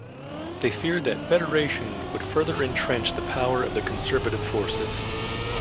They feared that federation would further entrench the power of the conservative forces.